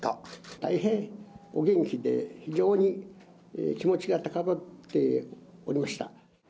大変お元気で、非常に気持ちが高ぶっておりました。